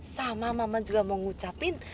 sama mama juga mau ngucap driven